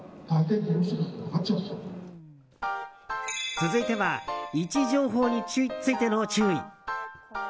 続いては位置情報についての注意。